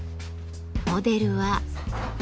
モデルは。